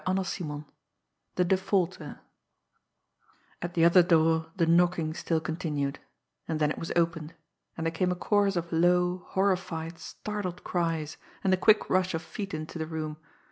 CHAPTER XVII THE DEFAULTER At the other door the knocking still continued and then it was opened and there came a chorus of low, horrified, startled cries, and the quick rush of feet into the room.